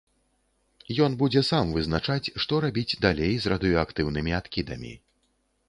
Ён будзе сам вызначаць, што рабіць далей з радыеактыўнымі адкідамі.